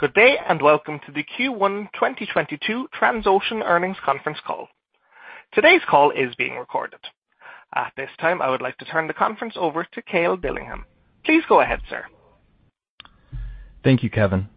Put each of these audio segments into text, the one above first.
Good day, and welcome to the Q1 2022 Transocean earnings conference call. Today's call is being recorded. At this time, I would like to turn the conference over to Cale Dillingham. Please go ahead, sir. Thank you, Kevin.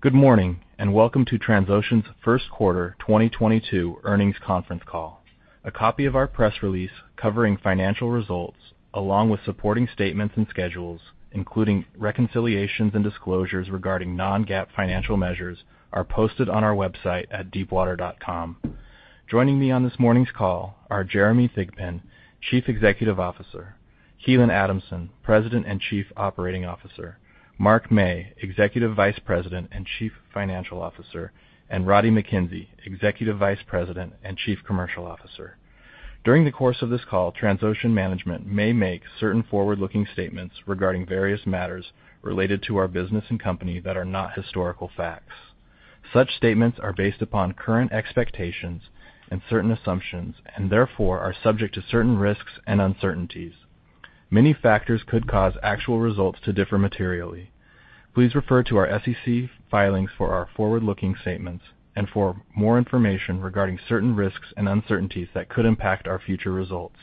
Good morning, and welcome to Transocean's first quarter 2022 earnings conference call. A copy of our press release covering financial results, along with supporting statements and schedules, including reconciliations and disclosures regarding non-GAAP financial measures, are posted on our website at deepwater.com. Joining me on this morning's call are Jeremy Thigpen, Chief Executive Officer, Keelan Adamson, President and Chief Operating Officer, Mark Mey, Executive Vice President and Chief Financial Officer, and Roddie Mackenzie, Executive Vice President and Chief Commercial Officer. During the course of this call, Transocean management may make certain forward-looking statements regarding various matters related to our business and company that are not historical facts. Such statements are based upon current expectations and certain assumptions, and therefore are subject to certain risks and uncertainties. Many factors could cause actual results to differ materially. Please refer to our SEC filings for our forward-looking statements and for more information regarding certain risks and uncertainties that could impact our future results.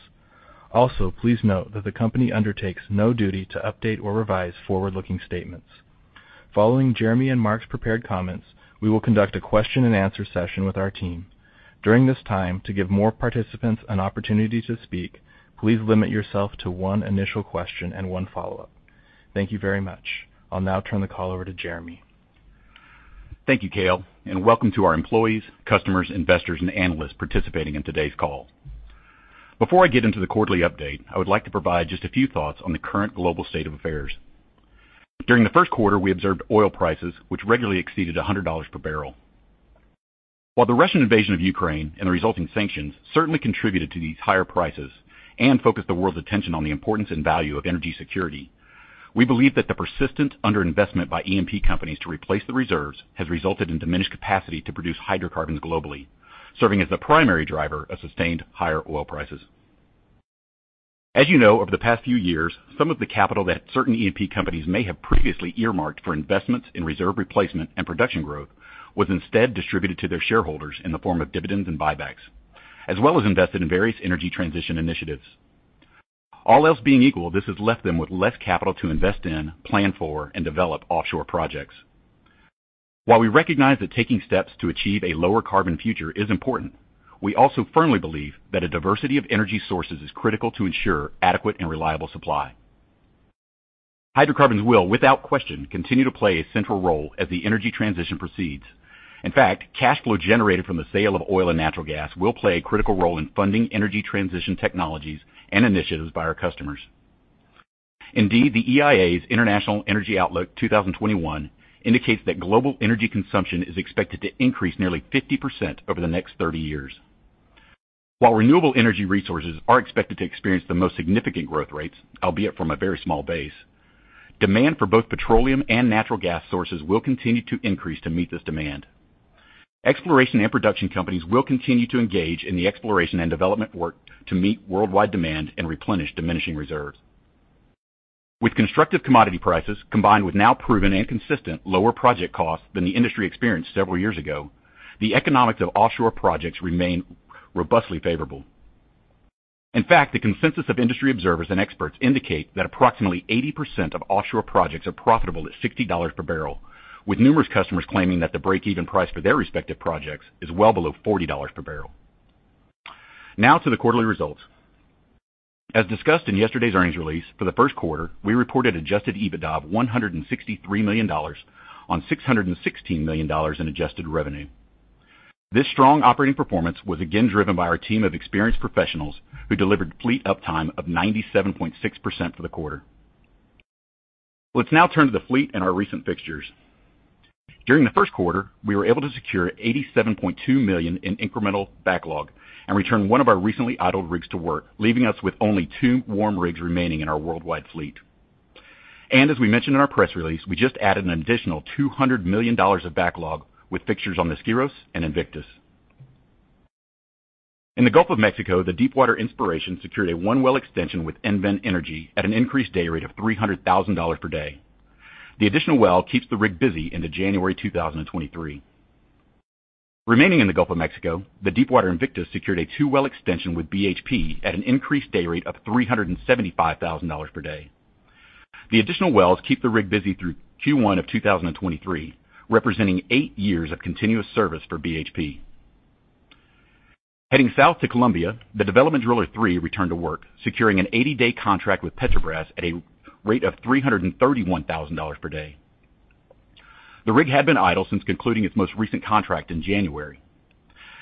Also, please note that the company undertakes no duty to update or revise forward-looking statements. Following Jeremy and Mark's prepared comments, we will conduct a question-and-answer session with our team. During this time, to give more participants an opportunity to speak, please limit yourself to one initial question and one follow-up. Thank you very much. I'll now turn the call over to Jeremy. Thank you, Cale, and welcome to our employees, customers, investors, and analysts participating in today's call. Before I get into the quarterly update, I would like to provide just a few thoughts on the current global state of affairs. During the first quarter, we observed oil prices which regularly exceeded $100 per barrel. While the Russian invasion of Ukraine and the resulting sanctions certainly contributed to these higher prices and focused the world's attention on the importance and value of energy security, we believe that the persistent under-investment by E&P companies to replace the reserves has resulted in diminished capacity to produce hydrocarbons globally, serving as the primary driver of sustained higher oil prices. As you know, over the past few years, some of the capital that certain E&P companies may have previously earmarked for investments in reserve replacement and production growth was instead distributed to their shareholders in the form of dividends and buybacks, as well as invested in various energy transition initiatives. All else being equal, this has left them with less capital to invest in, plan for, and develop offshore projects. While we recognize that taking steps to achieve a lower carbon future is important, we also firmly believe that a diversity of energy sources is critical to ensure adequate and reliable supply. Hydrocarbons will, without question, continue to play a central role as the energy transition proceeds. In fact, cash flow generated from the sale of oil and natural gas will play a critical role in funding energy transition technologies and initiatives by our customers. Indeed, the EIA's International Energy Outlook 2021 indicates that global energy consumption is expected to increase nearly 50% over the next 30 years. While renewable energy resources are expected to experience the most significant growth rates, albeit from a very small base, demand for both petroleum and natural gas sources will continue to increase to meet this demand. Exploration and production companies will continue to engage in the exploration and development work to meet worldwide demand and replenish diminishing reserves. With constructive commodity prices combined with now proven and consistent lower project costs than the industry experienced several years ago, the economics of offshore projects remain robustly favorable. In fact, the consensus of industry observers and experts indicate that approximately 80% of offshore projects are profitable at $60 per barrel, with numerous customers claiming that the break-even price for their respective projects is well below $40 per barrel. Now to the quarterly results. As discussed in yesterday's earnings release, for the first quarter, we reported Adjusted EBITDA of $163 million on $616 million in adjusted revenue. This strong operating performance was again driven by our team of experienced professionals who delivered fleet uptime of 97.6% for the quarter. Let's now turn to the fleet and our recent fixtures. During the first quarter, we were able to secure $87.2 million in incremental backlog and return one of our recently idled rigs to work, leaving us with only two warm rigs remaining in our worldwide fleet. As we mentioned in our press release, we just added an additional $200 million of backlog with fixtures on the Deepwater Skyros and Deepwater Invictus. In the Gulf of Mexico, the Deepwater Inspiration secured a one-well extension with EnVen Energy at an increased day rate of $300,000 per day. The additional well keeps the rig busy into January 2023. Remaining in the Gulf of Mexico, the Deepwater Invictus secured a two-well extension with BHP at an increased day rate of $375,000 per day. The additional wells keep the rig busy through Q1 of 2023, representing eight years of continuous service for BHP. Heading south to Colombia, the Development Driller III returned to work, securing an 80-day contract with Petrobras at a rate of $331,000 per day. The rig had been idle since concluding its most recent contract in January.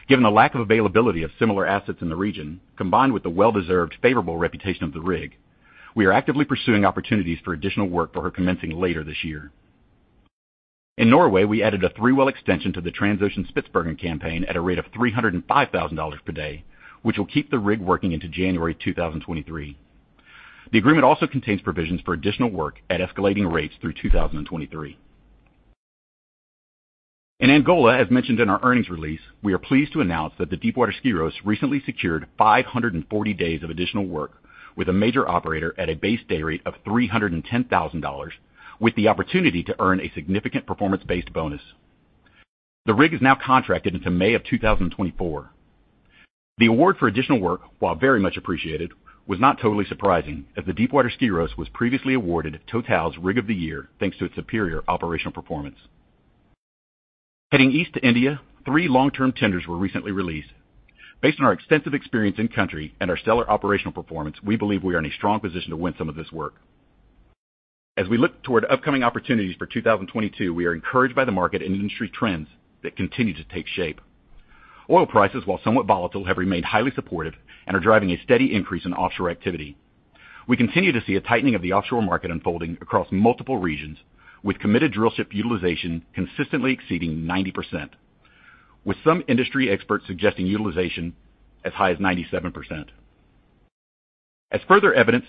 Given the lack of availability of similar assets in the region, combined with the well-deserved favorable reputation of the rig, we are actively pursuing opportunities for additional work that are commencing later this year. In Norway, we added a three-well extension to the Transocean Spitsbergen campaign at a rate of $305,000 per day, which will keep the rig working into January 2023. The agreement also contains provisions for additional work at escalating rates through 2023. In Angola, as mentioned in our earnings release, we are pleased to announce that the Deepwater Skyros recently secured 540 days of additional work with a major operator at a base day rate of $310,000, with the opportunity to earn a significant performance-based bonus. The rig is now contracted into May 2024. The award for additional work, while very much appreciated, was not totally surprising as the Deepwater Skyros was previously awarded TotalEnergies' Rig of the Year, thanks to its superior operational performance. Heading east to India, three long-term tenders were recently released. Based on our extensive experience in country and our stellar operational performance, we believe we are in a strong position to win some of this work. As we look toward upcoming opportunities for 2022, we are encouraged by the market and industry trends that continue to take shape. Oil prices, while somewhat volatile, have remained highly supportive and are driving a steady increase in offshore activity. We continue to see a tightening of the offshore market unfolding across multiple regions, with committed drillship utilization consistently exceeding 90%, with some industry experts suggesting utilization as high as 97%. As further evidence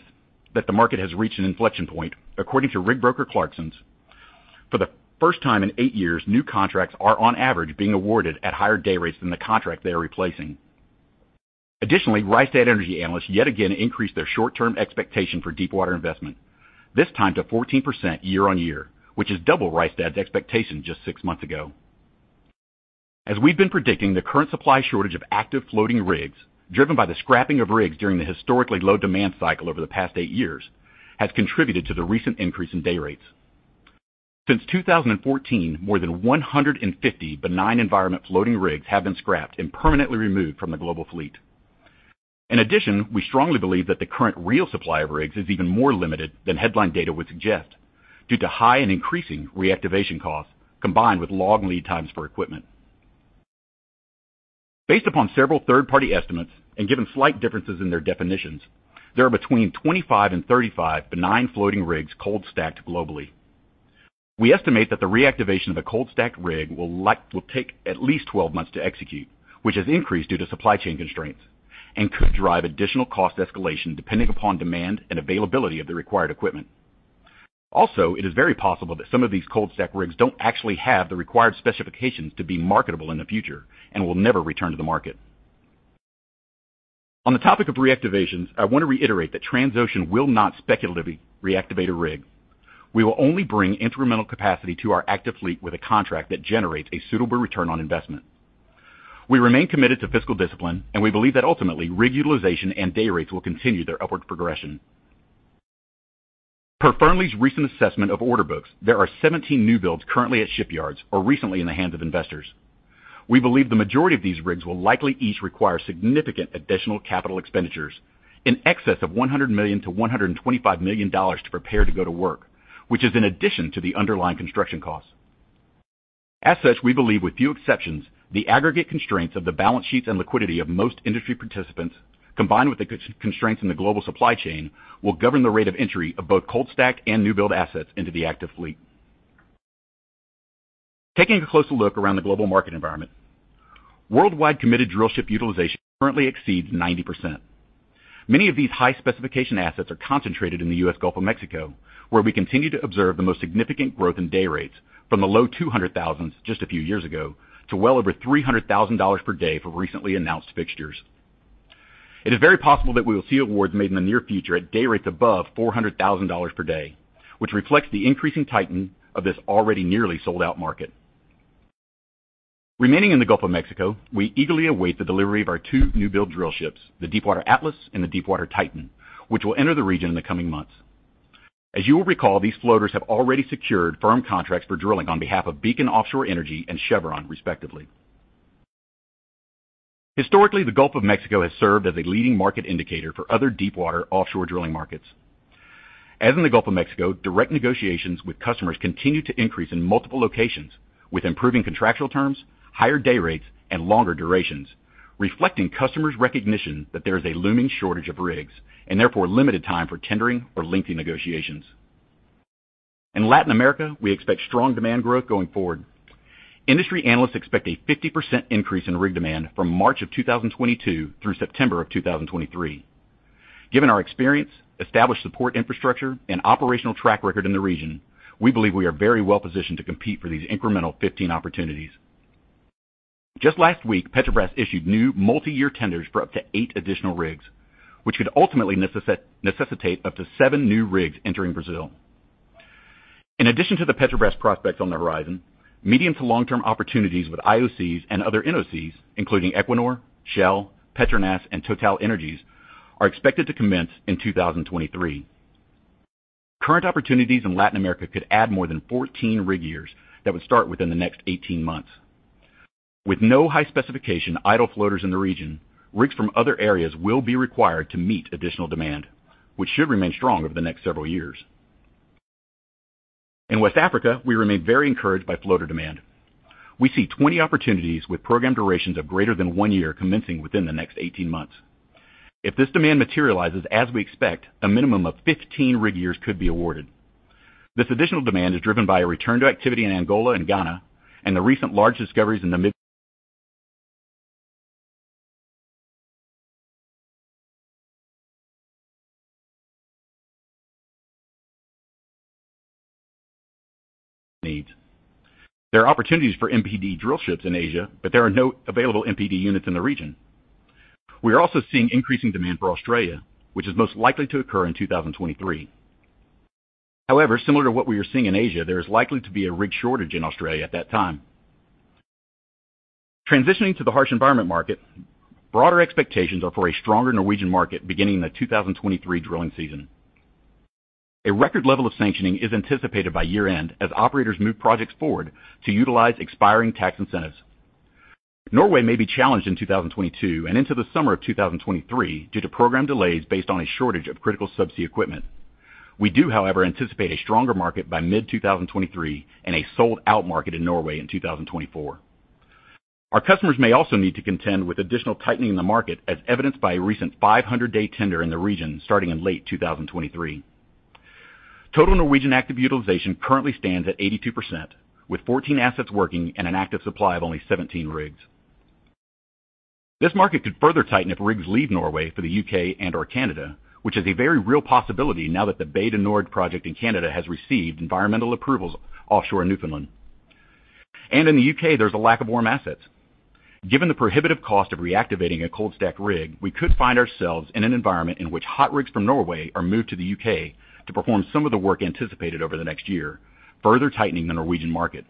that the market has reached an inflection point, according to rig broker Clarksons, for the first time in eight years, new contracts are, on average, being awarded at higher day rates than the contract they are replacing. Additionally, Rystad Energy analysts yet again increased their short-term expectation for deepwater investment, this time to 14% year-on-year, which is double Rystad's expectation just six months ago. As we've been predicting, the current supply shortage of active floating rigs, driven by the scrapping of rigs during the historically low demand cycle over the past eight years, has contributed to the recent increase in day rates. Since 2014, more than 150 benign environment floating rigs have been scrapped and permanently removed from the global fleet. In addition, we strongly believe that the current real supply of rigs is even more limited than headline data would suggest due to high and increasing reactivation costs combined with long lead times for equipment. Based upon several third-party estimates and given slight differences in their definitions, there are between 25 and 35 benign floating rigs cold stacked globally. We estimate that the reactivation of a cold stacked rig will take at least 12 months to execute, which has increased due to supply chain constraints, and could drive additional cost escalation depending upon demand and availability of the required equipment. Also, it is very possible that some of these cold stacked rigs don't actually have the required specifications to be marketable in the future and will never return to the market. On the topic of reactivations, I wanna reiterate that Transocean will not speculatively reactivate a rig. We will only bring incremental capacity to our active fleet with a contract that generates a suitable return on investment. We remain committed to fiscal discipline, and we believe that ultimately, rig utilization and day rates will continue their upward progression. Per Fearnleys' recent assessment of order books, there are 17 new builds currently at shipyards or recently in the hands of investors. We believe the majority of these rigs will likely each require significant additional capital expenditures in excess of $100 million-$125 million to prepare to go to work, which is in addition to the underlying construction costs. We believe, with few exceptions, the aggregate constraints of the balance sheets and liquidity of most industry participants, combined with the constraints in the global supply chain, will govern the rate of entry of both cold stacked and new build assets into the active fleet. Taking a closer look around the global market environment, worldwide committed drillship utilization currently exceeds 90%. Many of these high-specification assets are concentrated in the U.S. Gulf of Mexico, where we continue to observe the most significant growth in day rates from the low $200,000s just a few years ago to well over $300,000 per day for recently announced fixtures. It is very possible that we will see awards made in the near future at day rates above $400,000 per day, which reflects the increasing tightening of this already nearly sold-out market. Remaining in the Gulf of Mexico, we eagerly await the delivery of our two new build drill ships, the Deepwater Atlas and the Deepwater Titan, which will enter the region in the coming months. As you will recall, these floaters have already secured firm contracts for drilling on behalf of Beacon Offshore Energy and Chevron, respectively. Historically, the Gulf of Mexico has served as a leading market indicator for other deepwater offshore drilling markets. As in the Gulf of Mexico, direct negotiations with customers continue to increase in multiple locations with improving contractual terms, higher day rates, and longer durations, reflecting customers' recognition that there is a looming shortage of rigs and therefore limited time for tendering or lengthy negotiations. In Latin America, we expect strong demand growth going forward. Industry analysts expect a 50% increase in rig demand from March 2022 through September 2023. Given our experience, established support infrastructure, and operational track record in the region, we believe we are very well-positioned to compete for these incremental 15 opportunities. Just last week, Petrobras issued new multiyear tenders for up to eight additional rigs, which could ultimately necessitate up to seven new rigs entering Brazil. In addition to the Petrobras prospects on the horizon, medium- to long-term opportunities with IOCs and other NOCs, including Equinor, Shell, Petronas, and TotalEnergies, are expected to commence in 2023. Current opportunities in Latin America could add more than 14 rig years that would start within the next 18 months. With no high-specification idle floaters in the region, rigs from other areas will be required to meet additional demand, which should remain strong over the next several years. In West Africa, we remain very encouraged by floater demand. We see 20 opportunities with program durations of greater than one year commencing within the next 18 months. If this demand materializes as we expect, a minimum of 15 rig years could be awarded. This additional demand is driven by a return to activity in Angola and Ghana and the recent large discoveries in Namibia. There are opportunities for MPD drillships in Asia, but there are no available MPD units in the region. We are also seeing increasing demand for Australia, which is most likely to occur in 2023. However, similar to what we are seeing in Asia, there is likely to be a rig shortage in Australia at that time. Transitioning to the harsh environment market, broader expectations are for a stronger Norwegian market beginning in the 2023 drilling season. A record level of sanctioning is anticipated by year-end as operators move projects forward to utilize expiring tax incentives. Norway may be challenged in 2022 and into the summer of 2023 due to program delays based on a shortage of critical subsea equipment. We do, however, anticipate a stronger market by mid-2023 and a sold-out market in Norway in 2024. Our customers may also need to contend with additional tightening in the market, as evidenced by a recent 500-day tender in the region starting in late 2023. Total Norwegian active utilization currently stands at 82%, with 14 assets working and an active supply of only 17 rigs. This market could further tighten if rigs leave Norway for the U.K. and/or Canada, which is a very real possibility now that the Bay du Nord project in Canada has received environmental approvals offshore in Newfoundland. In the U.K., there's a lack of warm assets. Given the prohibitive cost of reactivating a cold stacked rig, we could find ourselves in an environment in which hot rigs from Norway are moved to the U.K. to perform some of the work anticipated over the next year, further tightening the Norwegian market.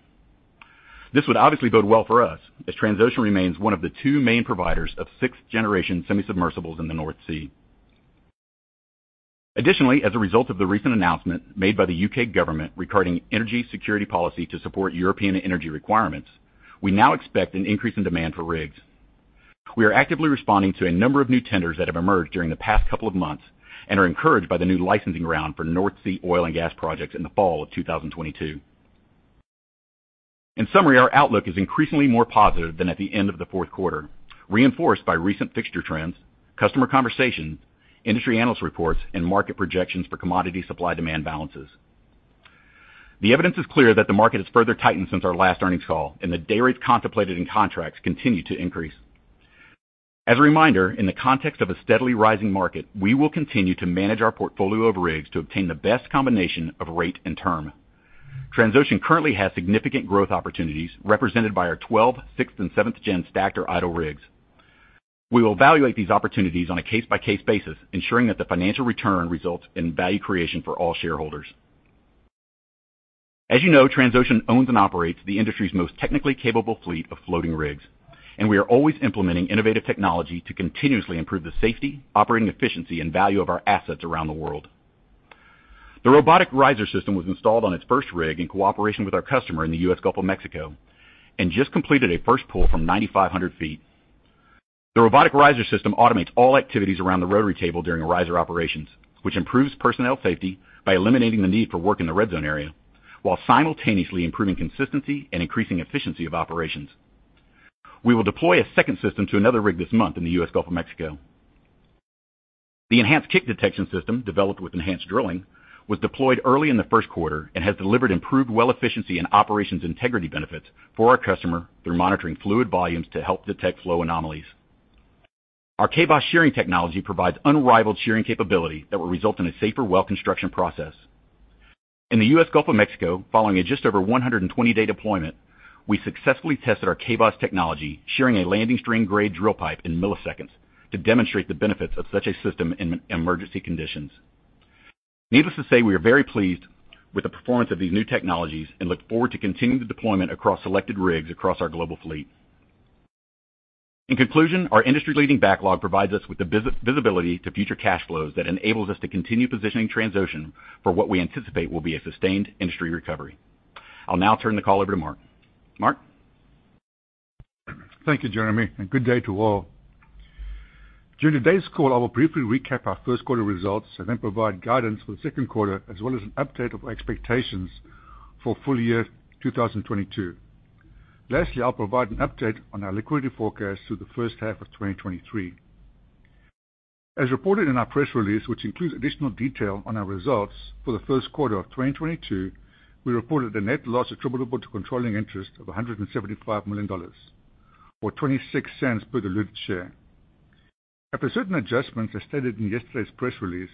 This would obviously bode well for us as Transocean remains one of the two main providers of sixth-generation semi-submersibles in the North Sea. Additionally, as a result of the recent announcement made by the U.K. government regarding energy security policy to support European energy requirements, we now expect an increase in demand for rigs. We are actively responding to a number of new tenders that have emerged during the past couple of months and are encouraged by the new licensing round for North Sea oil and gas projects in the fall of 2022. In summary, our outlook is increasingly more positive than at the end of the fourth quarter, reinforced by recent fixture trends, customer conversations, industry analyst reports, and market projections for commodity supply-demand balances. The evidence is clear that the market has further tightened since our last earnings call and the dayrates contemplated in contracts continue to increase. As a reminder, in the context of a steadily rising market, we will continue to manage our portfolio of rigs to obtain the best combination of rate and term. Transocean currently has significant growth opportunities represented by our 12 sixth- and 7th-gen stacked or idle rigs. We will evaluate these opportunities on a case-by-case basis, ensuring that the financial return results in value creation for all shareholders. As you know, Transocean owns and operates the industry's most technically capable fleet of floating rigs, and we are always implementing innovative technology to continuously improve the safety, operating efficiency, and value of our assets around the world. The robotic riser system was installed on its first rig in cooperation with our customer in the U.S. Gulf of Mexico and just completed a first pull from 9,500 feet. The robotic riser system automates all activities around the rotary table during riser operations, which improves personnel safety by eliminating the need for work in the red zone area while simultaneously improving consistency and increasing efficiency of operations. We will deploy a second system to another rig this month in the U.S. Gulf of Mexico. The enhanced kick detection system, developed with Enhanced Drilling, was deployed early in the first quarter and has delivered improved well efficiency and operations integrity benefits for our customer through monitoring fluid volumes to help detect flow anomalies. Our KBOS shearing technology provides unrivaled shearing capability that will result in a safer well construction process. In the U.S. Gulf of Mexico, following a just over 120-day deployment, we successfully tested our KBOS technology, shearing a landing string gray drill pipe in milliseconds to demonstrate the benefits of such a system in emergency conditions. Needless to say, we are very pleased with the performance of these new technologies and look forward to continuing the deployment across selected rigs across our global fleet. In conclusion, our industry-leading backlog provides us with the visibility to future cash flows that enables us to continue positioning Transocean for what we anticipate will be a sustained industry recovery. I'll now turn the call over to Mark. Mark? Thank you, Jeremy, and good day to all. During today's call, I will briefly recap our first quarter results and then provide guidance for the second quarter as well as an update of expectations for full year 2022. Lastly, I'll provide an update on our liquidity forecast through the first half of 2023. As reported in our press release, which includes additional detail on our results for the first quarter of 2022, we reported a net loss attributable to controlling interest of $175 million or $0.26 per diluted share. After certain adjustments, as stated in yesterday's press release,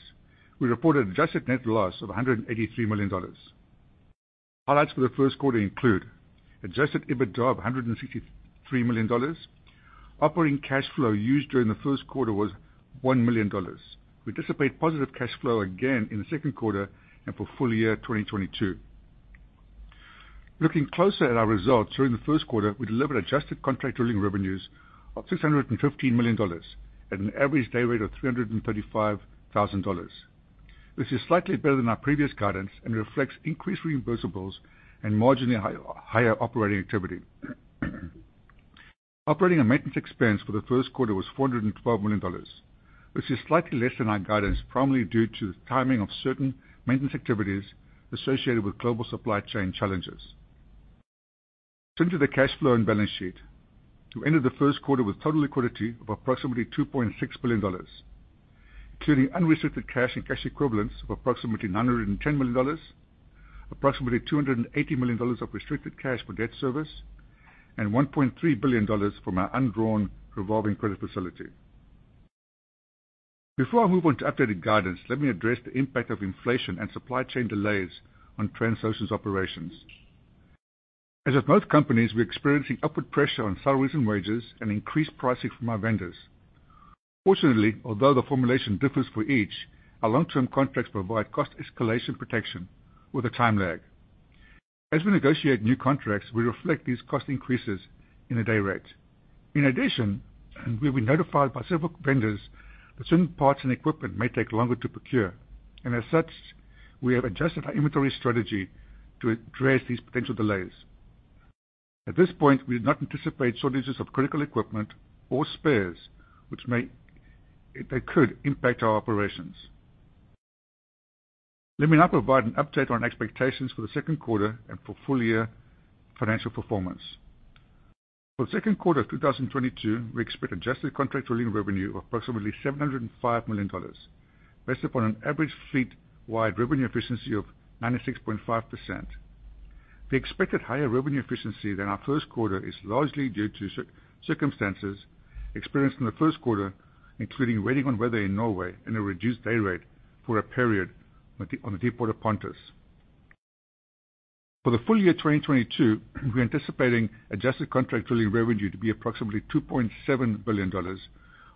we reported adjusted net loss of $183 million. Highlights for the first quarter include Adjusted EBITDA of $163 million. Operating cash flow used during the first quarter was $1 million. We anticipate positive cash flow again in the second quarter and for full year 2022. Looking closer at our results, during the first quarter, we delivered adjusted contract drilling revenues of $615 million at an average day rate of $335 thousand. This is slightly better than our previous guidance and reflects increased reimbursables and marginally higher operating activity. Operating and maintenance expense for the first quarter was $412 million, which is slightly less than our guidance, primarily due to the timing of certain maintenance activities associated with global supply chain challenges. Turning to the cash flow and balance sheet. We ended the first quarter with total liquidity of approximately $2.6 billion, including unrestricted cash and cash equivalents of approximately $910 million, approximately $280 million of restricted cash for debt service, and $1.3 billion from our undrawn revolving credit facility. Before I move on to updated guidance, let me address the impact of inflation and supply chain delays on Transocean's operations. As with most companies, we're experiencing upward pressure on salaries and wages and increased pricing from our vendors. Fortunately, although the formulation differs for each, our long-term contracts provide cost escalation protection with a time lag. As we negotiate new contracts, we reflect these cost increases in a day rate. In addition, we've been notified by several vendors that certain parts and equipment may take longer to procure, and as such, we have adjusted our inventory strategy to address these potential delays. At this point, we do not anticipate shortages of critical equipment or spares that could impact our operations. Let me now provide an update on expectations for the second quarter and for full year financial performance. For the second quarter of 2022, we expect adjusted contract drilling revenue of approximately $705 million, based upon an average fleet-wide revenue efficiency of 96.5%. The expected higher revenue efficiency than our first quarter is largely due to circumstances experienced in the first quarter, including waiting on weather in Norway and a reduced day rate for a period on the Deepwater Pontus. For the full year 2022, we're anticipating adjusted contract drilling revenue to be approximately $2.7 billion,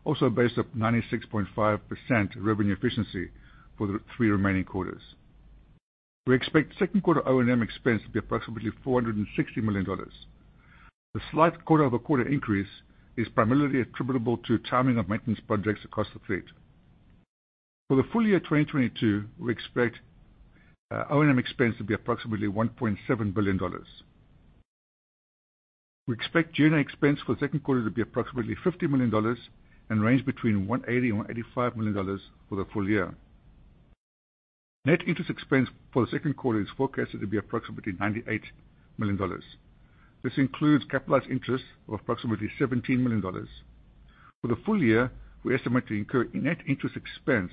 also based on 96.5% revenue efficiency for the three remaining quarters. We expect second quarter O&M expense to be approximately $460 million. The slight quarter-over-quarter increase is primarily attributable to timing of maintenance projects across the fleet. For the full year 2022, we expect O&M expense to be approximately $1.7 billion. We expect general expense for the second quarter to be approximately $50 million and range between $180 million-$185 million for the full year. Net interest expense for the second quarter is forecasted to be approximately $98 million. This includes capitalized interest of approximately $17 million. For the full year, we estimate to incur net interest expense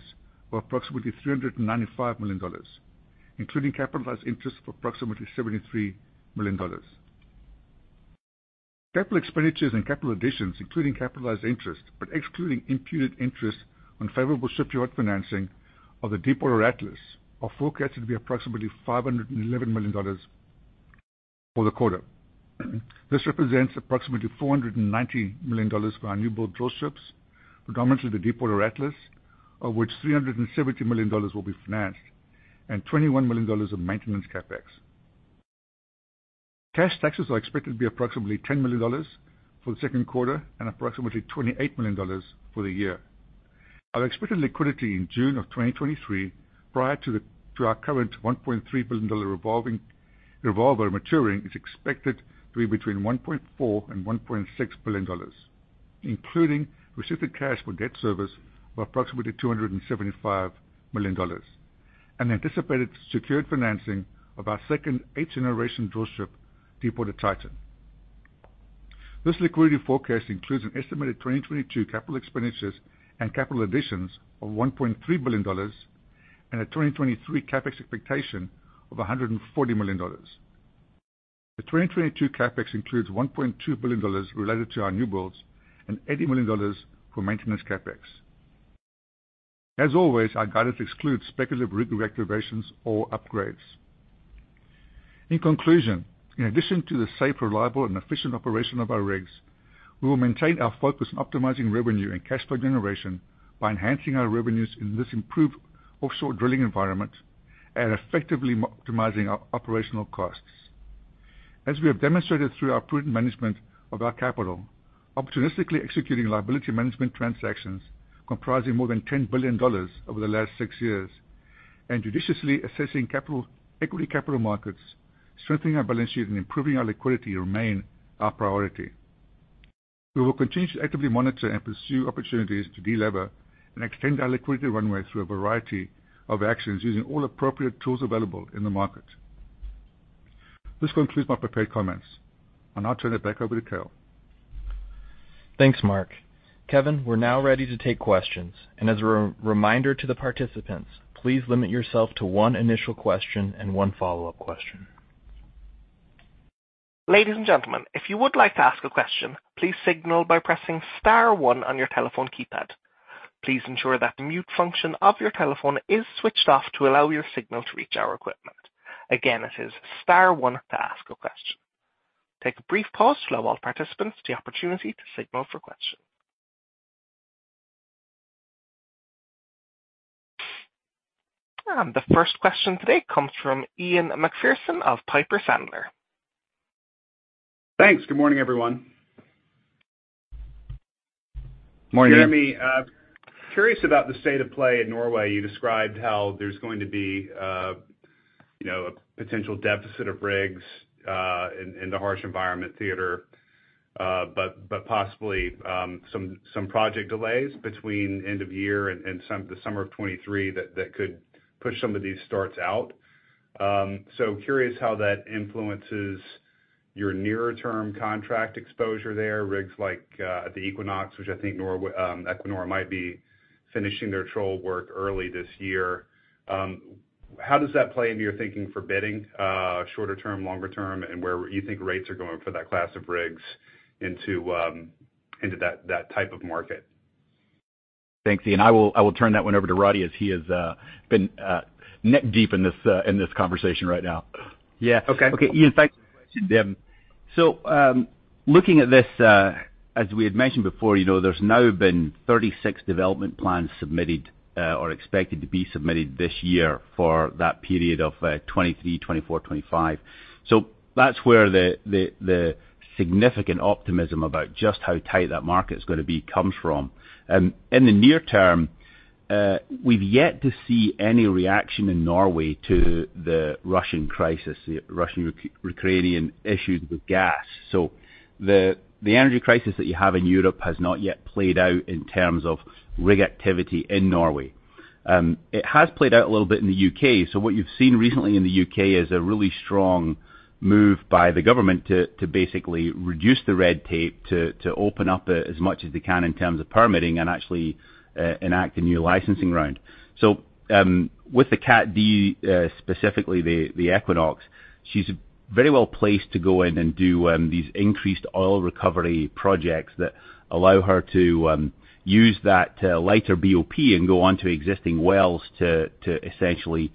of approximately $395 million, including capitalized interest of approximately $73 million. Capital expenditures and capital additions, including capitalized interest, but excluding imputed interest on favorable shipyard financing of the Deepwater Atlas, are forecasted to be approximately $511 million for the quarter. This represents approximately $490 million for our newbuild drill ships, predominantly the Deepwater Atlas, of which $370 million will be financed and $21 million of maintenance CapEx. Cash taxes are expected to be approximately $10 million for the second quarter and approximately $28 million for the year. Our expected liquidity in June of 2023, prior to our current $1.3 billion revolving revolver maturing, is expected to be between $1.4 billion and $1.6 billion, including received cash for debt service of approximately $275 million, and anticipated secured financing of our second eighth-generation drill ship, Deepwater Titan. This liquidity forecast includes an estimated 2022 capital expenditures and capital additions of $1.3 billion and a 2023 CapEx expectation of $140 million. The 2022 CapEx includes $1.2 billion related to our newbuilds and $80 million for maintenance CapEx. As always, our guidance excludes speculative rig activations or upgrades. In conclusion, in addition to the safe, reliable, and efficient operation of our rigs, we will maintain our focus on optimizing revenue and cash flow generation by enhancing our revenues in this improved offshore drilling environment and effectively optimizing our operational costs. As we have demonstrated through our prudent management of our capital, opportunistically executing liability management transactions comprising more than $10 billion over the last six years, and judiciously assessing capital and equity capital markets, strengthening our balance sheet, and improving our liquidity remain our priority. We will continue to actively monitor and pursue opportunities to delever and extend our liquidity runway through a variety of actions using all appropriate tools available in the market. This concludes my prepared comments. I'll now turn it back over to Cale. Thanks, Mark. Kevin, we're now ready to take questions, and as a reminder to the participants, please limit yourself to one initial question and one follow-up question. Ladies and gentlemen, if you would like to ask a question, please signal by pressing star one on your telephone keypad. Please ensure that the mute function of your telephone is switched off to allow your signal to reach our equipment. Again, it is star one to ask a question. Take a brief pause to allow all participants the opportunity to signal for question. The first question today comes from Ian Macpherson of Piper Sandler. Thanks. Good morning, everyone. Morning. Jeremy, curious about the state of play in Norway. You described how there's going to be, you know, a potential deficit of rigs in the harsh environment theater, but possibly some project delays between end of year and the summer of 2023 that could push some of these starts out. Curious how that influences your nearer-term contract exposure there, rigs like at the Equinox, which I think Equinor might be finishing their Troll work early this year. How does that play into your thinking for bidding, shorter term, longer term, and where you think rates are going for that class of rigs into that type of market? Thanks, Ian. I will turn that one over to Roddie, as he has been neck deep in this conversation right now. Okay. Yeah. Okay, Ian, thanks. Looking at this, as we had mentioned before, you know, there's now been 36 development plans submitted or expected to be submitted this year for that period of 2023, 2024, 2025. That's where the significant optimism about just how tight that market's gonna be comes from. In the near term, we've yet to see any reaction in Norway to the Russian crisis, the Russian-Ukrainian issues with gas. The energy crisis that you have in Europe has not yet played out in terms of rig activity in Norway. It has played out a little bit in the U.K. What you've seen recently in the U.K. is a really strong move by the government to basically reduce the red tape to open up as much as they can in terms of permitting and actually enact a new licensing round. With the Cat D specifically the Equinox, she's very well placed to go in and do these increased oil recovery projects that allow her to use that lighter BOP and go on to existing wells to essentially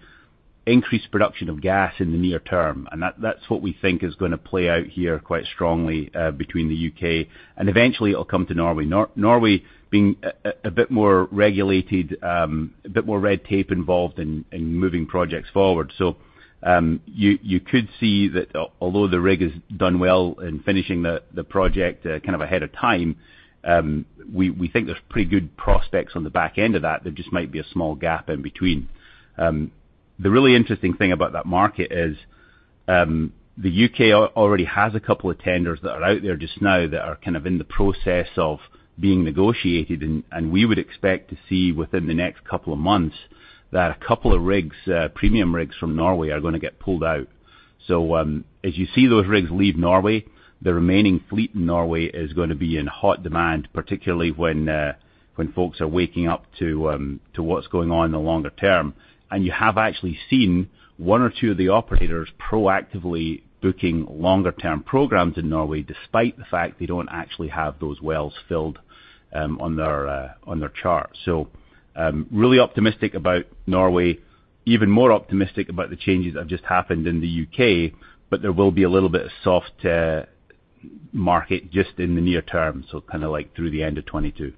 increase production of gas in the near term. That's what we think is gonna play out here quite strongly between the U.K. and eventually it'll come to Norway. Norway being a bit more regulated, a bit more red tape involved in moving projects forward. You could see that although the rig has done well in finishing the project kind of ahead of time, we think there's pretty good prospects on the back end of that. There just might be a small gap in between. The really interesting thing about that market is the U.K. already has a couple of tenders that are out there just now that are kind of in the process of being negotiated. We would expect to see within the next couple of months that a couple of rigs, premium rigs from Norway are gonna get pulled out. As you see those rigs leave Norway, the remaining fleet in Norway is gonna be in hot demand, particularly when folks are waking up to what's going on in the longer term. You have actually seen one or two of the operators proactively booking longer term programs in Norway, despite the fact they don't actually have those wells filled on their chart. Really optimistic about Norway. Even more optimistic about the changes that have just happened in the U.K., but there will be a little bit of soft market just in the near term, so kinda like through the end of 2022.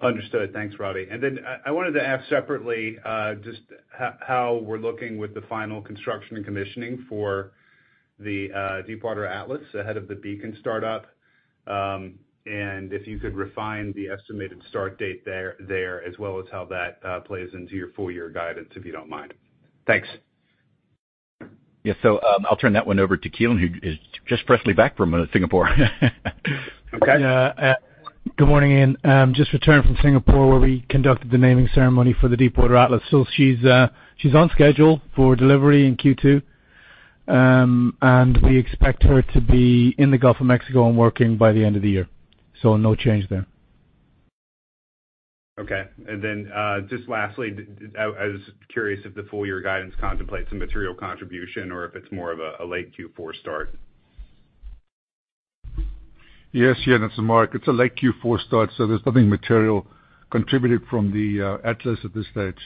Understood. Thanks, Roddy. Then I wanted to ask separately, just how we're looking with the final construction and commissioning for the Deepwater Atlas ahead of the Beacon startup. If you could refine the estimated start date there, as well as how that plays into your full year guidance, if you don't mind. Thanks. Yeah. I'll turn that one over to Keelan, who is just freshly back from Singapore. Okay. Yeah. Good morning, Ian. Just returned from Singapore, where we conducted the naming ceremony for the Deepwater Atlas. She's on schedule for delivery in Q2. We expect her to be in the Gulf of Mexico and working by the end of the year. No change there. Okay. Just lastly, I was curious if the full year guidance contemplates some material contribution or if it's more of a late Q4 start? Yes, Ian. It's Mark. It's a late Q4 start, so there's nothing material contributed from the Atlas at this stage.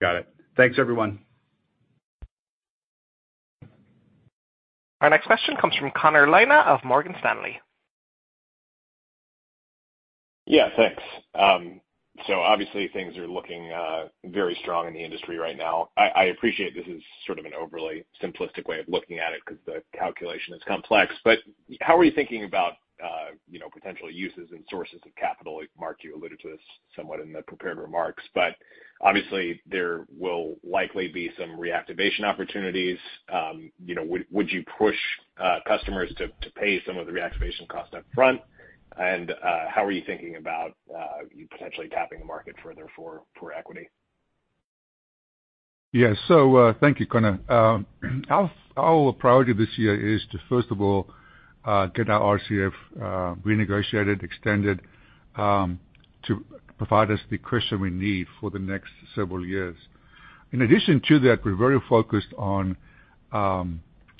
Got it. Thanks, everyone. Our next question comes from Connor Lynagh of Morgan Stanley. Yeah, thanks. So obviously, things are looking very strong in the industry right now. I appreciate this is sort of an overly simplistic way of looking at it because the calculation is complex. How are you thinking about, you know, potential uses and sources of capital? Mark Mey, you alluded to this somewhat in the prepared remarks, but obviously there will likely be some reactivation opportunities. You know, would you push customers to pay some of the reactivation costs up front? How are you thinking about you potentially tapping the market further for equity? Thank you, Connor. Our priority this year is to, first of all, get our RCF renegotiated, extended to provide us the cushion we need for the next several years. In addition to that, we're very focused on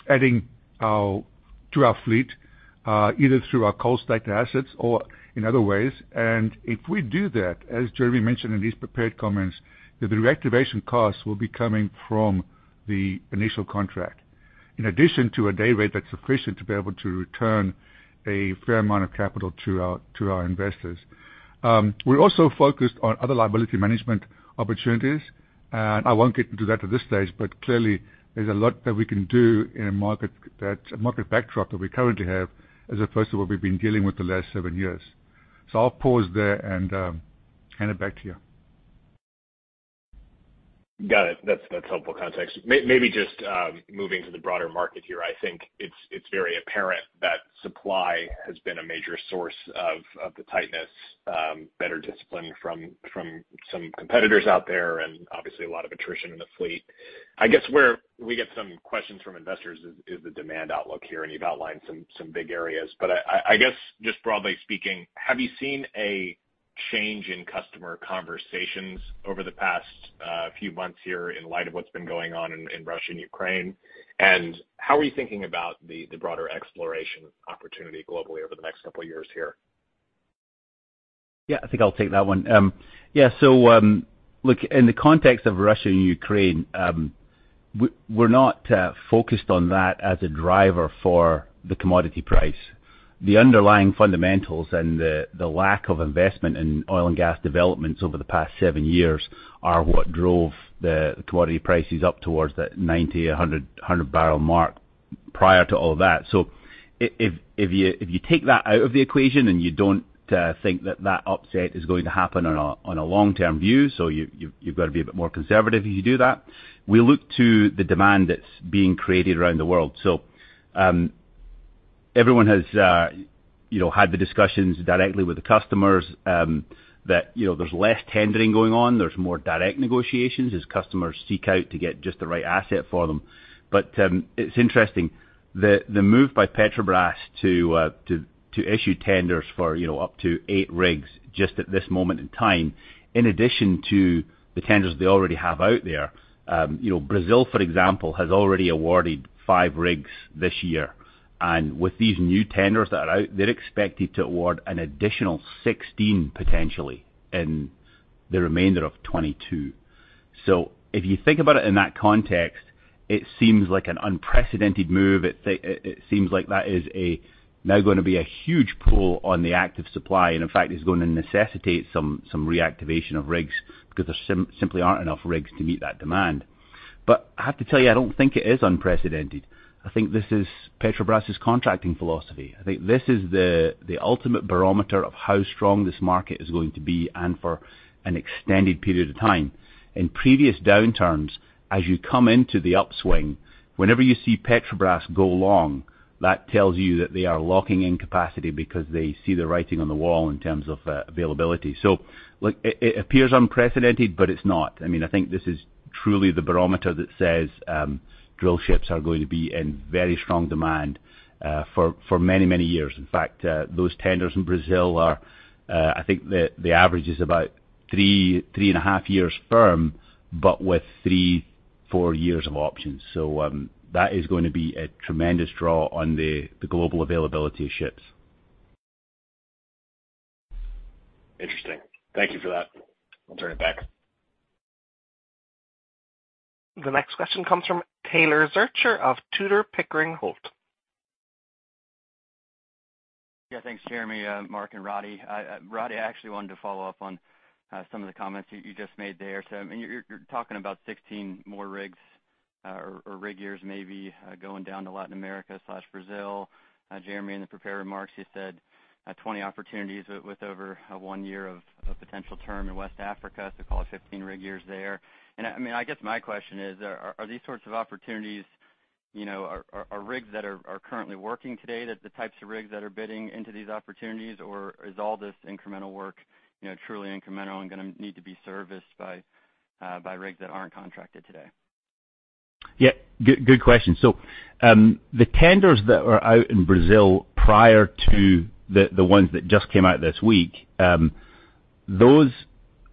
adding to our fleet either through our cold stacked assets or in other ways. If we do that, as Jeremy mentioned in his prepared comments, the reactivation costs will be coming from the initial contract, in addition to a day rate that's sufficient to be able to return a fair amount of capital to our investors. We're also focused on other liability management opportunities, and I won't get into that at this stage, but clearly, there's a lot that we can do in a market backdrop that we currently have, as opposed to what we've been dealing with the last seven years. I'll pause there and hand it back to you. Got it. That's helpful context. Just moving to the broader market here. I think it's very apparent that supply has been a major source of the tightness, better discipline from some competitors out there, and obviously a lot of attrition in the fleet. I guess where we get some questions from investors is the demand outlook here, and you've outlined some big areas. I guess just broadly speaking, have you seen a change in customer conversations over the past few months here in light of what's been going on in Russia and Ukraine. How are you thinking about the broader exploration opportunity globally over the next couple of years here? Yeah, I think I'll take that one. Look, in the context of Russia and Ukraine, we're not focused on that as a driver for the commodity price. The underlying fundamentals and the lack of investment in oil and gas developments over the past seven years are what drove the commodity prices up towards the $90 bbl, $100 bbl mark prior to all that. If you take that out of the equation, and you don't think that that upset is going to happen on a long-term view, so you've got to be a bit more conservative if you do that, we look to the demand that's being created around the world. Everyone has, you know, had the discussions directly with the customers, that, you know, there's less tendering going on. There's more direct negotiations as customers seek out to get just the right asset for them. It's interesting. The move by Petrobras to issue tenders for, you know, up to eight rigs just at this moment in time, in addition to the tenders they already have out there, you know, Brazil, for example, has already awarded five rigs this year. With these new tenders that are out, they're expected to award an additional 16 potentially in the remainder of 2022. If you think about it in that context, it seems like an unprecedented move. It seems like that is now gonna be a huge pull on the active supply, and in fact, it's going to necessitate some reactivation of rigs because there simply aren't enough rigs to meet that demand. I have to tell you, I don't think it is unprecedented. I think this is Petrobras' contracting philosophy. I think this is the ultimate barometer of how strong this market is going to be and for an extended period of time. In previous downturns, as you come into the upswing, whenever you see Petrobras go long, that tells you that they are locking in capacity because they see the writing on the wall in terms of availability. Look, it appears unprecedented, but it's not. I mean, I think this is truly the barometer that says drill ships are going to be in very strong demand for many, many years. In fact, those tenders in Brazil are. I think the average is about three and a half years firm, but with three, four years of options. That is going to be a tremendous draw on the global availability of ships. Interesting. Thank you for that. I'll turn it back. The next question comes from Taylor Zurcher of Tudor, Pickering, Holt & Co. Yeah, thanks, Jeremy, Mark, and Roddie. Roddie, I actually wanted to follow up on some of the comments you just made there. I mean, you're talking about 16 more rigs or rig years maybe going down to Latin America/Brazil. Jeremy, in the prepared remarks, you said 20 opportunities with over one year of potential term in West Africa, so call it 15 rig years there. I mean, I guess my question is, are these sorts of opportunities, you know, are rigs that are currently working today the types of rigs that are bidding into these opportunities? Or is all this incremental work, you know, truly incremental and gonna need to be serviced by rigs that aren't contracted today? Yeah, good question. The tenders that were out in Brazil prior to the ones that just came out this week, those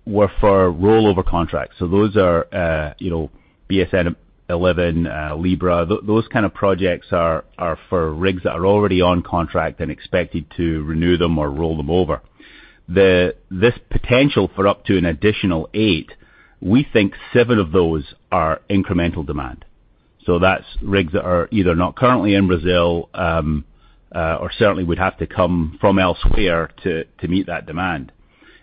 were for rollover contracts. Those are, you know, BSN 11, Libra. Those kind of projects are for rigs that are already on contract and expected to renew them or roll them over. This potential for up to an additional eight, we think seven of those are incremental demand. That's rigs that are either not currently in Brazil, or certainly would have to come from elsewhere to meet that demand.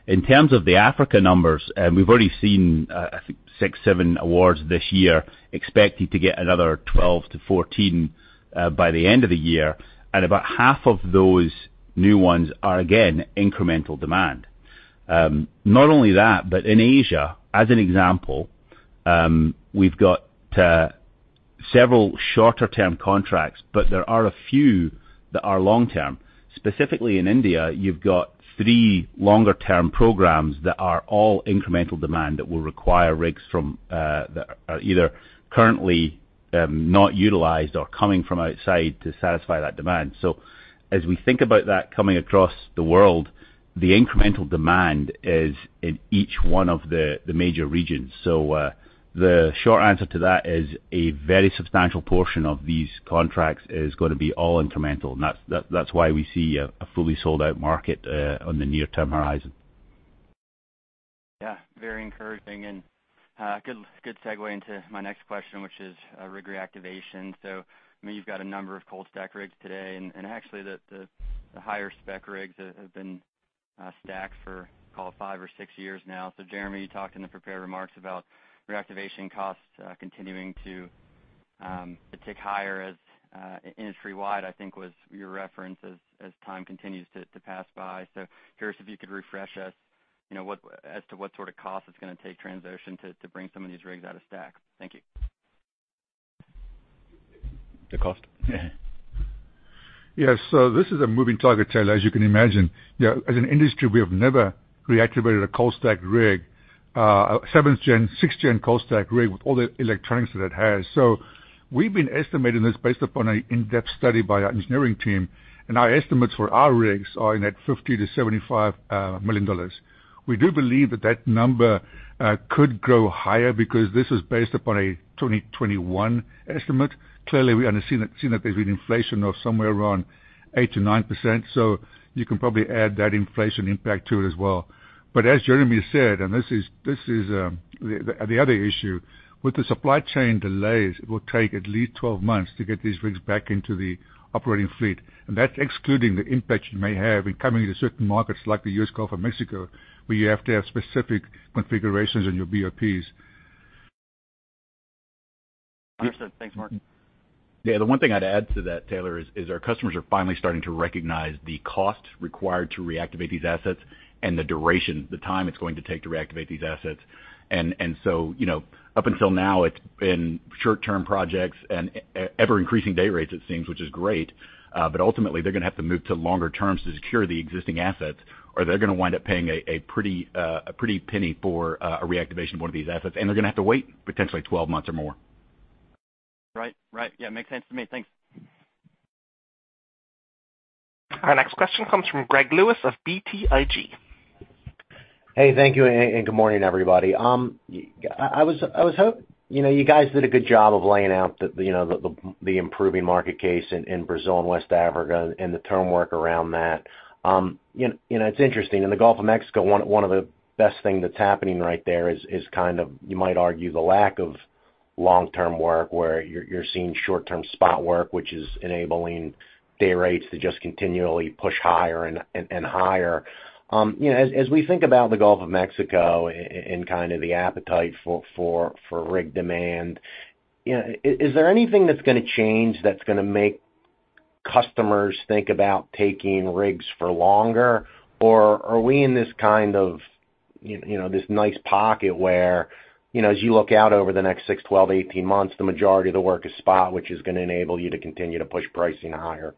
In terms of the Africa numbers, we've already seen, I think six, seven awards this year, expected to get another 12 to 14 by the end of the year. About half of those new ones are, again, incremental demand. Not only that, but in Asia, as an example, we've got several shorter-term contracts, but there are a few that are long-term. Specifically in India, you've got three longer-term programs that are all incremental demand that will require rigs that are either currently not utilized or coming from outside to satisfy that demand. As we think about that coming across the world, the incremental demand is in each one of the major regions. The short answer to that is a very substantial portion of these contracts is gonna be all incremental, and that's why we see a fully sold-out market on the near-term horizon. Yeah, very encouraging and good segue into my next question, which is rig reactivation. I mean, you've got a number of cold stacked rigs today, and actually the higher spec rigs have been stacked for call it five or six years now. Jeremy, you talked in the prepared remarks about reactivation costs continuing to tick higher as industry-wide, I think was your reference, as time continues to pass by. Curious if you could refresh us, you know, as to what sort of cost it's gonna take Transocean to bring some of these rigs out of stack. Thank you. The cost? This is a moving target, Taylor, as you can imagine. As an industry, we have never reactivated a cold stacked rig, a 7th-gen, 6th-gen cold stacked rig with all the electronics that it has. We've been estimating this based upon an in-depth study by our engineering team, and our estimates for our rigs are in at $50 million-$75 million. We do believe that that number could grow higher because this is based upon a 2021 estimate. Clearly, we haven't seen that there's been inflation of somewhere around 8%-9%, so you can probably add that inflation impact to it as well. As Jeremy said, this is the other issue, with the supply chain delays, it will take at least 12 months to get these rigs back into the operating fleet. That's excluding the impact you may have in coming into certain markets like the U.S. Gulf of Mexico, where you have to have specific configurations in your BOPs. Understood. Thanks, Mark. Yeah. The one thing I'd add to that, Taylor, is our customers are finally starting to recognize the cost required to reactivate these assets and the duration, the time it's going to take to reactivate these assets. You know, up until now, it's been short-term projects and ever-increasing dayrates, it seems, which is great. But ultimately, they're gonna have to move to longer terms to secure the existing assets, or they're gonna wind up paying a pretty penny for a reactivation of one of these assets. They're gonna have to wait potentially 12 months or more. Right. Yeah, makes sense to me. Thanks. Our next question comes from Gregory Lewis of BTIG. Hey, thank you, and good morning, everybody. You know, you guys did a good job of laying out the, you know, the improving market case in Brazil and West Africa and the term work around that. You know, it's interesting. In the Gulf of Mexico, one of the best thing that's happening right there is kind of, you might argue, the lack of long-term work, where you're seeing short-term spot work, which is enabling dayrates to just continually push higher and higher. You know, as we think about the Gulf of Mexico and kind of the appetite for rig demand, you know, is there anything that's gonna make customers think about taking rigs for longer? Are we in this kind of, you know, this nice pocket where, you know, as you look out over the next six, 12, 18 months, the majority of the work is spot, which is gonna enable you to continue to push pricing higher?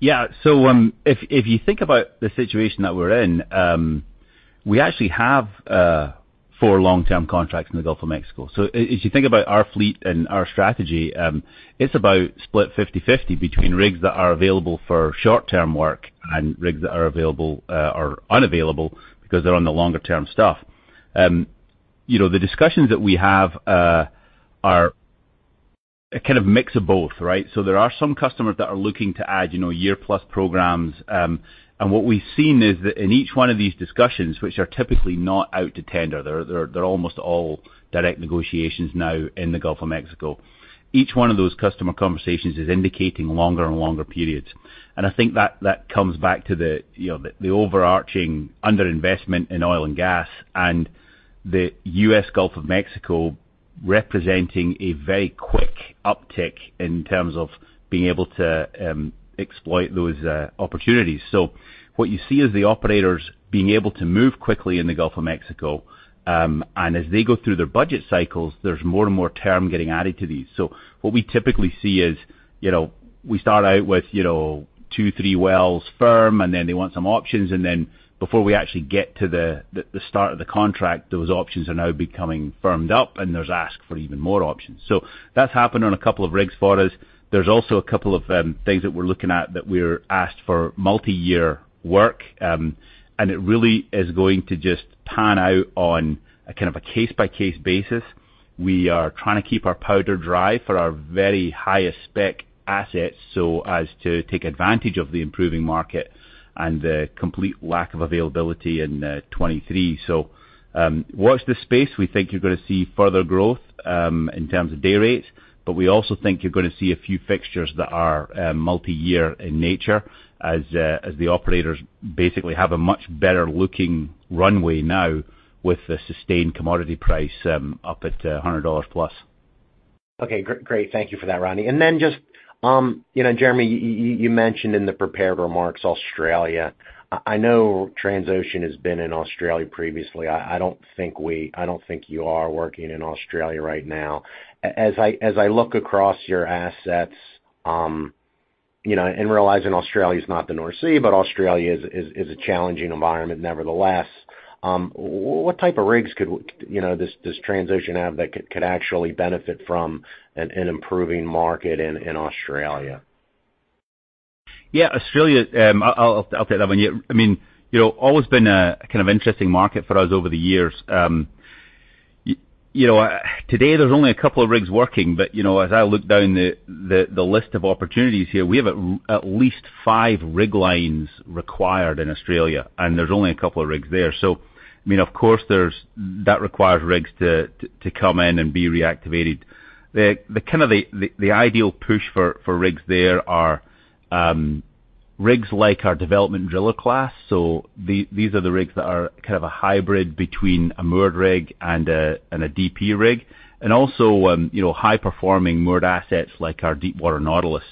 Yeah. If you think about the situation that we're in, we actually have four long-term contracts in the Gulf of Mexico. As you think about our fleet and our strategy, it's about split 50/50 between rigs that are available for short-term work and rigs that are available or unavailable because they're on the longer term stuff. You know, the discussions that we have are a kind of mix of both, right? There are some customers that are looking to add, you know, year-plus programs. What we've seen is that in each one of these discussions, which are typically not out to tender, they're almost all direct negotiations now in the Gulf of Mexico. Each one of those customer conversations is indicating longer and longer periods. I think that comes back to the, you know, the overarching underinvestment in oil and gas and the U.S. Gulf of Mexico representing a very quick uptick in terms of being able to exploit those opportunities. What you see is the operators being able to move quickly in the Gulf of Mexico, and as they go through their budget cycles, there's more and more term getting added to these. What we typically see is, you know, we start out with, you know, two, three wells firm, and then they want some options, and then before we actually get to the start of the contract, those options are now becoming firmed up, and there's ask for even more options. That's happened on a couple of rigs for us. There's also a couple of things that we're looking at that we're asked for multiyear work, and it really is going to just pan out on a kind of a case-by-case basis. We are trying to keep our powder dry for our very highest spec assets so as to take advantage of the improving market and the complete lack of availability in 2023. Watch this space. We think you're gonna see further growth in terms of dayrates, but we also think you're gonna see a few fixtures that are multiyear in nature as the operators basically have a much better-looking runway now with the sustained commodity price up at $100+. Okay. Great. Thank you for that, Rie. Just, you know, Jeremy, you mentioned in the prepared remarks Australia. I know Transocean has been in Australia previously. I don't think you are working in Australia right now. As I look across your assets, you know, and realizing Australia's not the North Sea, but Australia is a challenging environment nevertheless, what type of rigs does Transocean have that could actually benefit from an improving market in Australia? Yeah, Australia, I'll take that one. Yeah. I mean, you know, always been a kind of interesting market for us over the years. You know, today there's only a couple of rigs working, but, you know, as I look down the list of opportunities here, we have at least five rig lines required in Australia, and there's only a couple of rigs there. I mean, of course, that requires rigs to come in and be reactivated. The kind of ideal push for rigs there are rigs like our Development Driller class. These are the rigs that are kind of a hybrid between a moored rig and a DP rig. Also, you know, high-performing moored assets like our Deepwater Nautilus,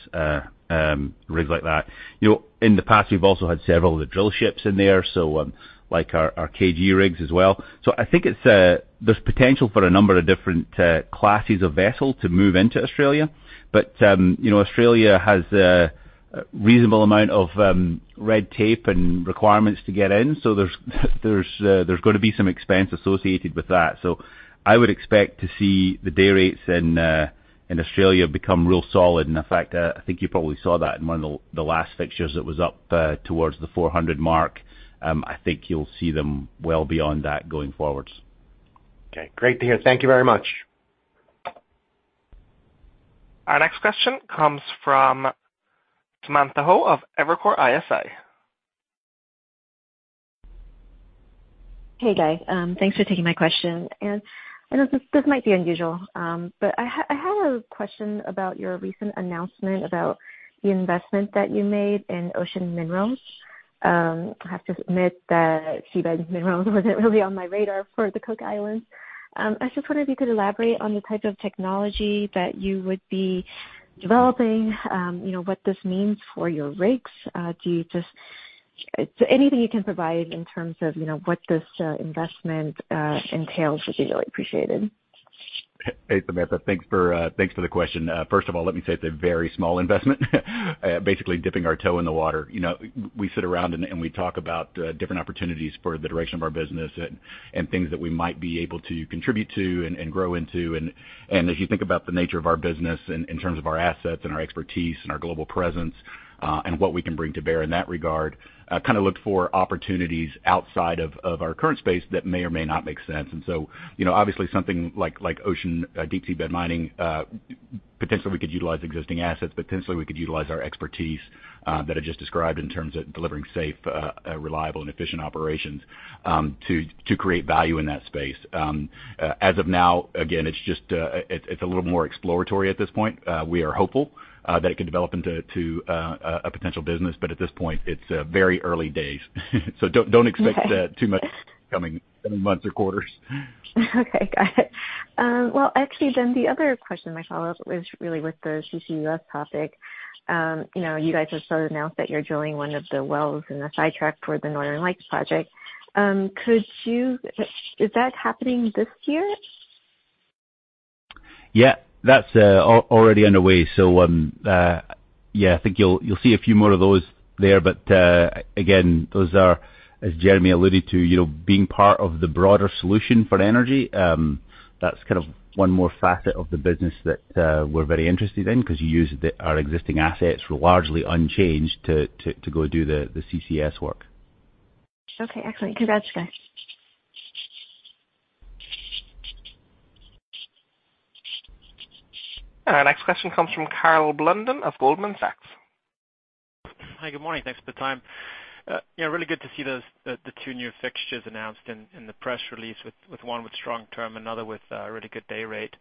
rigs like that. You know, in the past, we've also had several of the drill ships in there, like our KG rigs as well. I think there's potential for a number of different classes of vessel to move into Australia, but you know, Australia has a reasonable amount of red tape and requirements to get in. There's gonna be some expense associated with that. I would expect to see the day rates in Australia become real solid. In fact, I think you probably saw that in one of the last fixtures that was up towards the $400 mark. I think you'll see them well beyond that going forward. Okay, great to hear. Thank you very much. Our next question comes from Samantha Hoh of Evercore ISI. Hey, guys. Thanks for taking my question. I know this might be unusual, but I had a question about your recent announcement about the investment that you made in Ocean Minerals. I have to admit that seabed minerals wasn't really on my radar for the Cook Islands. I just wondered if you could elaborate on the type of technology that you would be developing, you know, what this means for your rigs. Anything you can provide in terms of, you know, what this investment entails would be really appreciated. Hey, Samantha. Thanks for the question. First of all, let me say it's a very small investment, basically dipping our toe in the water. You know, we sit around and we talk about different opportunities for the direction of our business and things that we might be able to contribute to and grow into. As you think about the nature of our business in terms of our assets and our expertise and our global presence, and what we can bring to bear in that regard, kinda looked for opportunities outside of our current space that may or may not make sense. You know, obviously something like ocean deep seabed mining, potentially we could utilize existing assets, but potentially we could utilize our expertise that I just described in terms of delivering safe, reliable and efficient operations to create value in that space. As of now, again, it's just a little more exploratory at this point. We are hopeful that it could develop into a potential business, but at this point it's very early days. Don't expect Okay. Too much coming months or quarters. Okay, got it. Well, actually, the other question, my follow-up was really with the CCUS topic. You know, you guys have sort of announced that you're drilling one of the wells in the sidetrack for the Northern Lights project. Is that happening this year? Yeah. That's already underway. I think you'll see a few more of those there. Again, those are, as Jeremy alluded to, you know, being part of the broader solution for energy. That's kind of one more facet of the business that we're very interested in because our existing assets were largely unchanged to go do the CCS work. Okay, excellent. Congrats, guys. Our next question comes from Karl Blunden of Goldman Sachs. Hi, good morning. Thanks for the time. Yeah, really good to see those two new fixtures announced in the press release with one with strong term, another with really good day rate.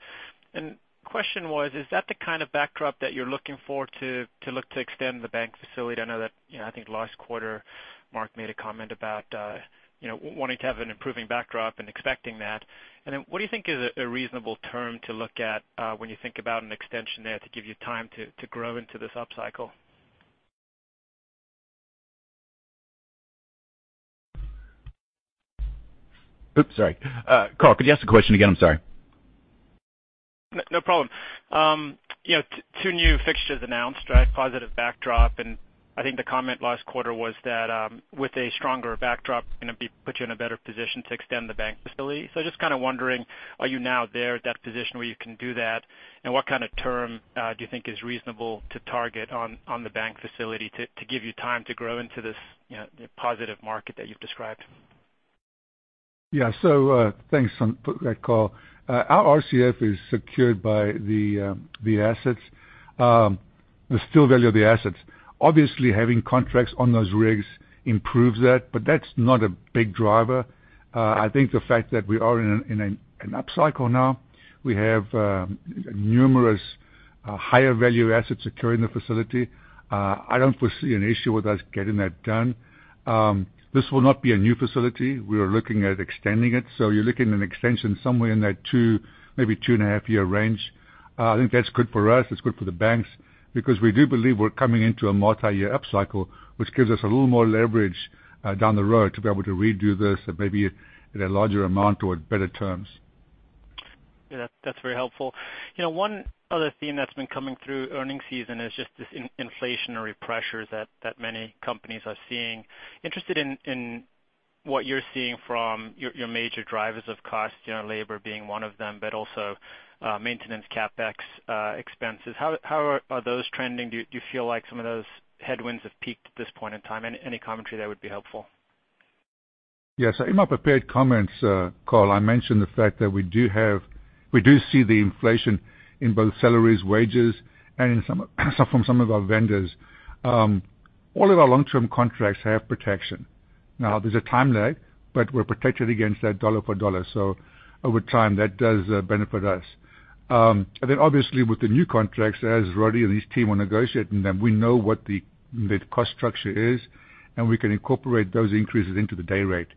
Question was, is that the kind of backdrop that you're looking for to look to extend the bank facility? I know that, you know, I think last quarter Mark made a comment about, you know, wanting to have an improving backdrop and expecting that. Then what do you think is a reasonable term to look at when you think about an extension there to give you time to grow into this upcycle? Oops, sorry. Karl, could you ask the question again? I'm sorry. No, no problem. You know, two new fixtures announced, right? Positive backdrop, and I think the comment last quarter was that, with a stronger backdrop, gonna be put you in a better position to extend the bank facility. Just kinda wondering, are you now there at that position where you can do that? And what kinda term do you think is reasonable to target on the bank facility to give you time to grow into this, you know, positive market that you've described? Yeah. Thanks for that, Karl. Our RCF is secured by the assets, the sale value of the assets. Obviously, having contracts on those rigs improves that, but that's not a big driver. I think the fact that we are in an upcycle now, we have numerous higher value assets securing the facility, I don't foresee an issue with us getting that done. This will not be a new facility. We are looking at extending it. You're looking at an extension somewhere in that two, maybe 2.5-year range. I think that's good for us, it's good for the banks because we do believe we're coming into a multi-year upcycle, which gives us a little more leverage, down the road to be able to redo this maybe at a larger amount or at better terms. Yeah, that's very helpful. You know, one other theme that's been coming through earnings season is just this inflationary pressures that many companies are seeing. Interested in what you're seeing from your major drivers of cost, you know, labor being one of them, but also maintenance CapEx expenses. How are those trending? Do you feel like some of those headwinds have peaked at this point in time? Any commentary there would be helpful. Yes. In my prepared comments, Karl, I mentioned the fact that we do see the inflation in both salaries, wages, and in some of our vendors. All of our long-term contracts have protection. Now there's a time lag, but we're protected against that dollar for dollar. Over time, that does benefit us. Then obviously with the new contracts, as Roddy and his team are negotiating them, we know what the cost structure is, and we can incorporate those increases into the day rate.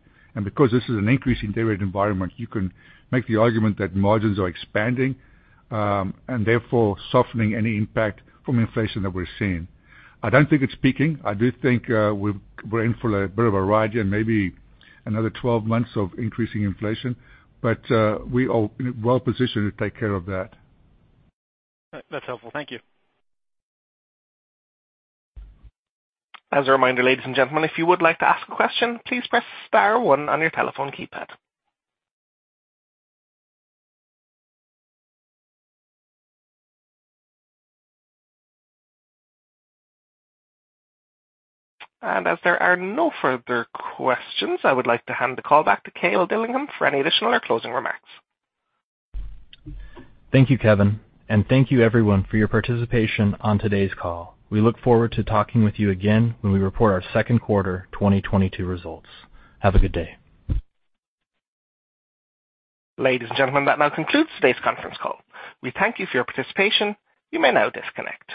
Because this is an increasing day rate environment, you can make the argument that margins are expanding, and therefore softening any impact from inflation that we're seeing. I don't think it's peaking. I do think we're in for a bit of a ride here and maybe another 12 months of increasing inflation, but we are well positioned to take care of that. That's helpful. Thank you. As a reminder, ladies and gentlemen, if you would like to ask a question, please press star one on your telephone keypad. As there are no further questions, I would like to hand the call back to Cale Dillingham for any additional or closing remarks. Thank you, Kevin. Thank you everyone for your participation on today's call. We look forward to talking with you again when we report our second quarter 2022 results. Have a good day. Ladies and gentlemen, that now concludes today's conference call. We thank you for your participation. You may now disconnect.